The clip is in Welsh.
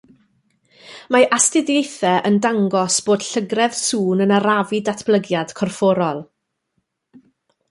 Mae astudiaethau yn dangos bod llygredd sŵn yn arafu datblygiad corfforol